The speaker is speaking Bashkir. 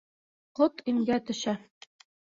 Ҡот имгә төшә.